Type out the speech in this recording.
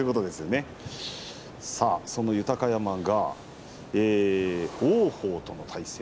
その豊山が王鵬との対戦。